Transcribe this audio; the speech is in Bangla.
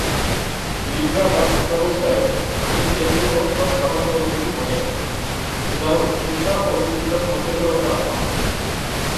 নিদ্রা বা স্বপ্নাবস্থায় 'আমি'-এর কোনো বা সামান্য অনুভূতি থাকে না; যাহোক, চিন্তা ও চিন্তা সচেতনতা আছে।